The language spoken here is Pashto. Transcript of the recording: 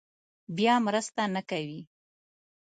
بیا مرسته نه کوي.